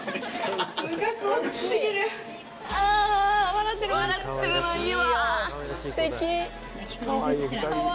笑ってるのいいわ！